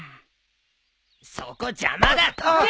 そこ邪魔だどけ。